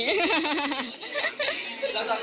ก็ยังไม่เท่าไหร่